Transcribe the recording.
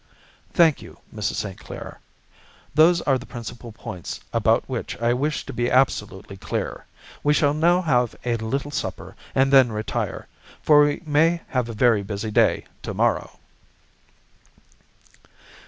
"Thank you, Mrs. St. Clair. Those are the principal points about which I wished to be absolutely clear. We shall now have a little supper and then retire, for we may have a very busy day to morrow."